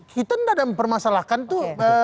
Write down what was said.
kita tidak ada permasalahan itu